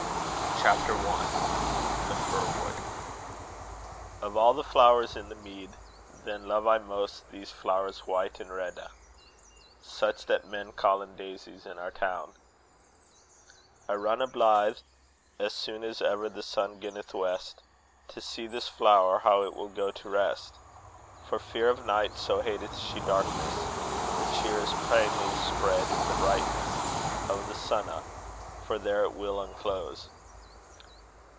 CHAPTER I. THE FIR WOOD. Of all the flowers in the mead, Then love I roost these flowers white and rede, Such that men callen daisies in our town. I renne blithe As soon as ever the sun ginneth west, To see this flower, how it will go to rest, For fear of night, so hateth she darkness; Her cheer is plainly spread in the brightness Of the sunne, for there it will unclose.